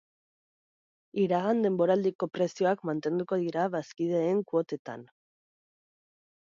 Iragan denboraldiko prezioak mantenduko dira bazkideen kuotetean.